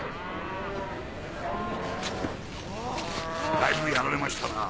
だいぶやられましたな。